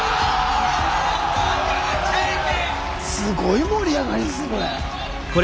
すごい盛り上がりですねこれ。